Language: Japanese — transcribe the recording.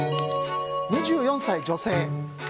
２４歳女性。